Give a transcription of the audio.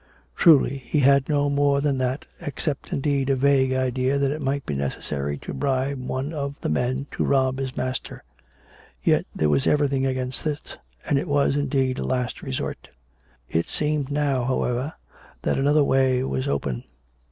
Truly, he had no more than that, except, indeed, a vague idea that it might be necessary to bribe one of the men to rob his master. Yet there was everything against this, and it was, indeed, a last resort. It seemed now, however; that another way was open.